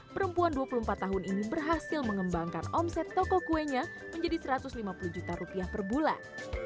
perempuan dua puluh empat tahun ini berhasil mengembangkan omset toko kuenya menjadi satu ratus lima puluh juta rupiah per bulan